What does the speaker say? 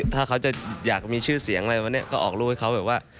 ถ้าเขาจะอยากมีชื่อเสียงอะไรวันนี้ก็ออกลูกให้เขาแบบว่า